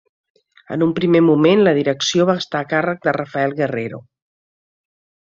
En un primer moment, la direcció va estar a càrrec de Rafael Guerrero.